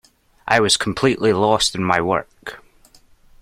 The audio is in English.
I was completely lost in my work.